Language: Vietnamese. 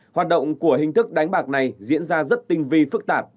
hoạt động của hình thức đánh bạc này diễn ra rất tinh vi phức tạp